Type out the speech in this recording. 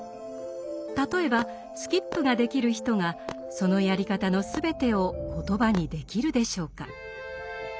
例えばスキップができる人がそのやり方の全てを言葉にできるでしょうか？